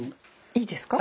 いいですか。